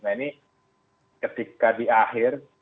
nah ini ketika di akhir